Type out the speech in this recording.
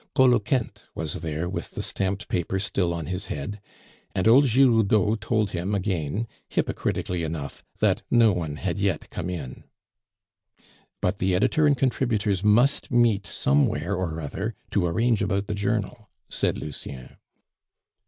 Coloquinte was there with the stamped paper still on his head; and old Giroudeau told him again, hypocritically enough, that no one had yet come in. "But the editor and contributors must meet somewhere or other to arrange about the journal," said Lucien.